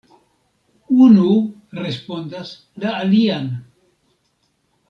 Unu respondas la alian.